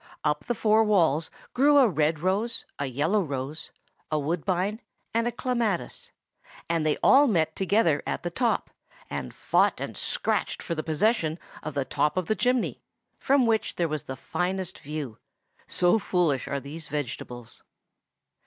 Up the four walls grew a red rose, a yellow rose, a woodbine, and a clematis; and they all met together at the top, and fought and scratched for the possession of the top of the chimney, from which there was the finest view; so foolish are these vegetables.